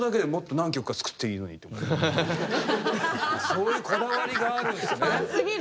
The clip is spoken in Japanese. そういうこだわりがあるんですね。